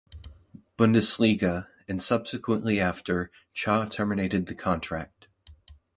Bundesliga, and subsequently after, Cha terminated the contract.